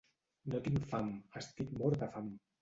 No tinc fam, estic mort de fam.